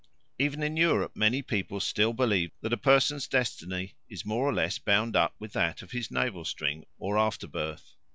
Even in Europe many people still believe that a person's destiny is more or less bound up with that of his navel string or afterbirth.